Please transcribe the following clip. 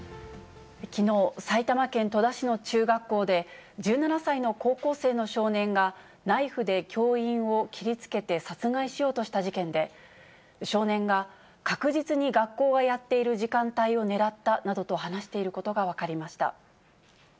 きのう、埼玉県戸田市の中学校で、１７歳の高校生の少年が、ナイフで教員を切りつけて殺害しようとした事件で、少年が、確実に学校がやっている時間帯を狙ったなどと話していることが分かりました。